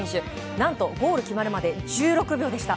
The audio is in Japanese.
何とゴール決まるまで１６秒でした。